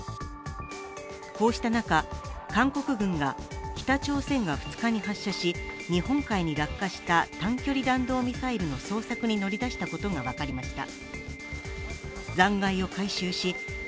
こうした中、韓国軍が北朝鮮が２日に発射し日本海に落下した短距離弾道ミサイルの捜索に乗り出したことが分かりました。